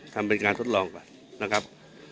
ทำเป็นการทดลองไปนะครับ